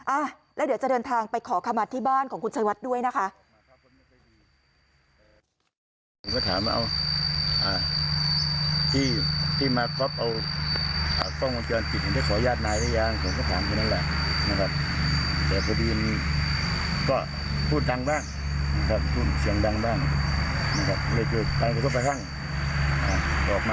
อ่ะแล้วเดี๋ยวจะเดินทางไปขอขมาที่บ้านของคุณชัยวัดด้วยนะคะ